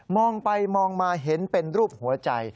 ไปมองมาเห็นเป็นรูปหัวใจ